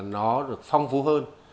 nó được phong phú hơn